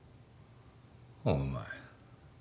お前